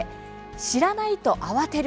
「知らないと慌てる！